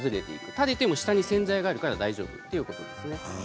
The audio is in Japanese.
垂れても下に洗剤があるから大丈夫ということですね。